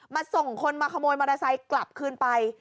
ส่งคนมาขโมยมอเตอร์ไซค์กลับคืนไป